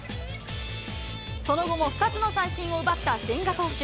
その後も２つの三振を奪った千賀投手。